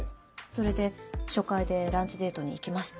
それで初回でランチデートに行きました。